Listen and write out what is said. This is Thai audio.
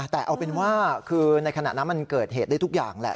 แต่เอาเป็นว่าคือในขณะนั้นมันเกิดเหตุได้ทุกอย่างแหละ